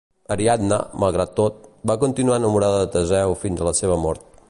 Ariadna, malgrat tot, va continuar enamorada de Teseu fins a la seva mort.